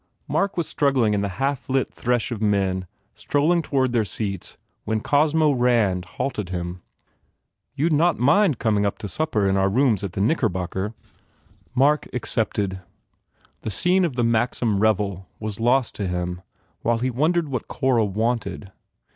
Mark was struggling in the half lit thresh of men strol ling toward their seats when Cosmo Rand halted him. "You d not mind coming to supper in our rooms at the Knickbocker?" Mark accepted. The scene of the Maxim revel was lost to him while he wondered what Cora wanted.